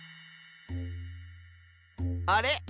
あれ？